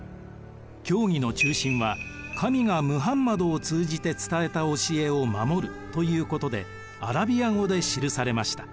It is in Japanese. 教義の中心は神がムハンマドを通じて伝えた教えを守るということでアラビア語で記されました。